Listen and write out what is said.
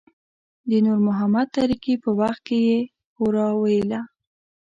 د نور محمد تره کي په وخت کې يې هورا ویله.